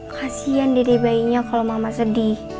kasian diri bayinya kalau mama sedih